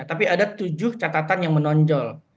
tapi ada tujuh catatan yang menonjol